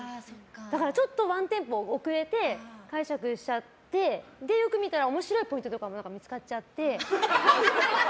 だからワンテンポ遅れて解釈してよく見たら面白いポイントとかも見つかっちゃって。